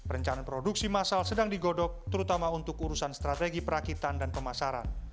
rencana produksi masal sedang digodok terutama untuk urusan strategi perakitan dan pemasaran